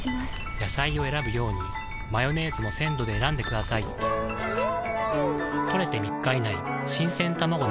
野菜を選ぶようにマヨネーズも鮮度で選んでくださいん！